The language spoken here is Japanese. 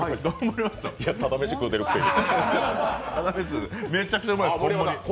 タダ飯食うてるくせに。